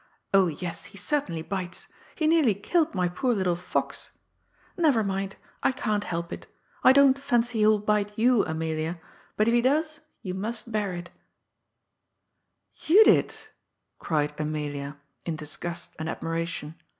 Oh yes ; he certainly bites !— ^he nearly killed my poor little "Pox*' — never mind; I can't help it I don't fancy he will bite you, Amelia, but if he docs, you must bear it" "Judith!" cried Amelia, in disgust and admiration.